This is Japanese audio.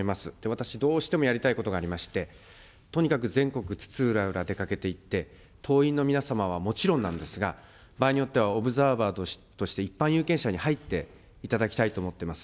私、どうしてもやりたいことがありまして、とにかく全国津々浦々出かけていって、党員の皆様はもちろんなんですが、場合によっては、オブザーバーとして一般有権者に入っていただきたいと思っています。